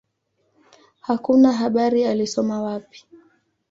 Hakuna habari alisoma wapi.